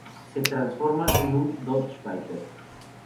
Se transforma en un Dodge Viper.